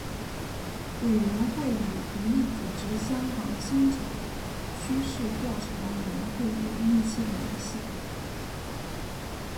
委员会与独立组织香港薪酬趋势调查委员会有密切联系。